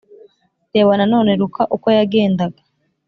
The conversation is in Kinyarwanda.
Reba nanone Luka uko yagendaga